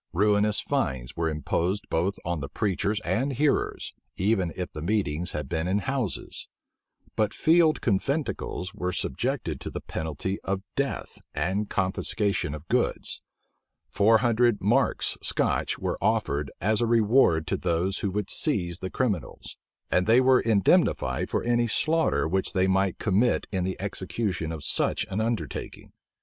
* July 28, 1670. Ruinous fines were imposed both on the preachers and hearers, even if the meetings had been in houses; but field conventicles were subjected to the penalty of death and confiscation of goods: four hundred marks Scotch were offered as a reward to those who should seize the criminals; and they were indemnified for any slaughter which they might commit in the execution of such an undertaking.